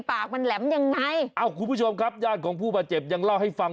ปากมันแหลมยังไงเอ้าคุณผู้ชมครับญาติของผู้บาดเจ็บยังเล่าให้ฟัง